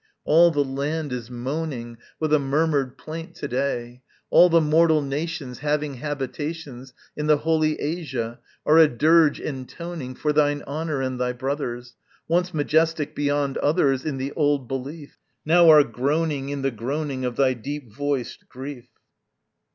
_ All the land is moaning With a murmured plaint to day; All the mortal nations Having habitations In the holy Asia Are a dirge entoning For thine honour and thy brothers', Once majestic beyond others In the old belief, Now are groaning in the groaning Of thy deep voiced grief.